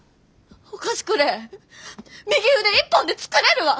お菓子くれえ右腕一本で作れるわ！